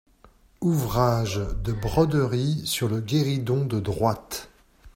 Ouvrage de broderie sur le guéridon de droite.